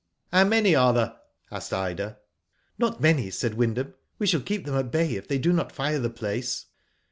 " How many are there ?^' asked Ida. "Not many," said Wyndham. "We shall keep them at bay if they do not fire the place."